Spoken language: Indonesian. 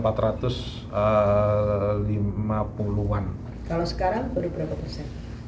kalau sekarang boleh berapa persen